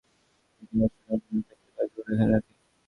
নিচে আসুন আমরা মৃত লাশগুলো এখানে রাখি।